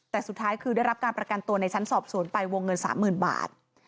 แต่สุดท้ายคือได้รับการประกันตัวในชั้นสอบสวนไปวงเงิน๓๐๐๐บาท